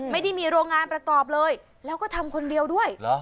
ไม่ได้มีโรงงานประกอบเลยแล้วก็ทำคนเดียวด้วยเหรอ